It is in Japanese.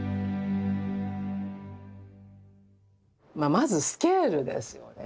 まずスケールですよね。